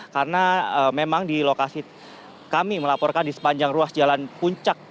karena memang di lokasi kami melaporkan di sepanjang ruas jalan puncak